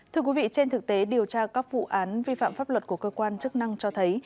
thưa quý vị trên thực tế điều tra các vụ án vi phạm pháp luật của cơ quan chức năng cho thấy